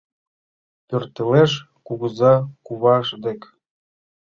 Пӧртылеш кугыза куваж дек